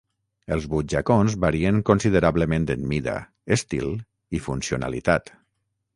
Els butxacons varien considerablement en mida, estil i funcionalitat.